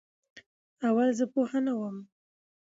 اول زه پوهه نه وم